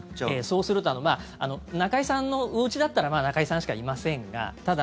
そうすると中居さんのうちだったら中居さんしかいませんがただ。